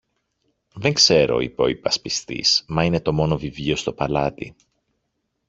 Δεν ξέρω, είπε ο υπασπιστής, μα είναι το μόνο βιβλίο στο παλάτι.